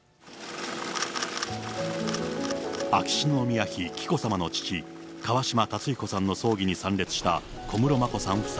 秋篠宮妃紀子さまの父、川嶋辰彦さんの葬儀に参列した小室眞子さん夫妻。